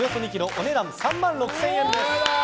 お値段３万６０００円です！